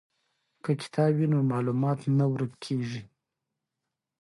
که کتاب وي نو معلومات نه ورک کیږي.